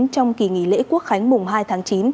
trong kỳ nghỉ lễ quốc khánh mùng hai tháng chín